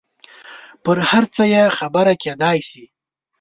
پر هر څه یې خبره کېدای شي.